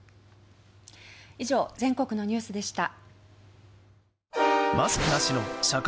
以上、全国のニュースでした。